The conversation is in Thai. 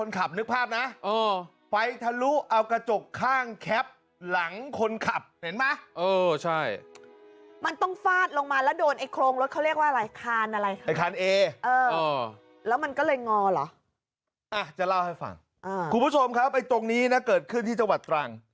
คุณผู้ชมครับไอ้ตรงนี้นะเกิดขึ้นที่จังหวัดตรัง